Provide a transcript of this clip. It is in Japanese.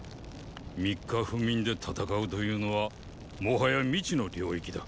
三日不眠で戦うというのはもはや未知の領域だ。